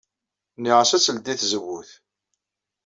Nniɣ-as ad teldey tazewwut.